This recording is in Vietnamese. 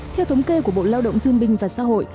theo thống kê của bộ lao động thương binh và xã hội